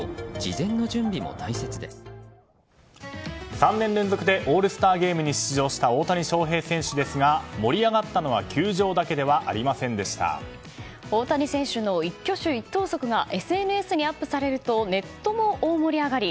３年連続でオールスターゲームに出場した大谷翔平選手ですが盛り上がったのは大谷選手の一挙手一投足がＳＮＳにアップされるとネットも大盛り上がり。